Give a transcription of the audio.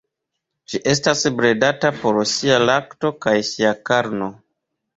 Ĝi estas bredata por sia lakto kaj sia karno.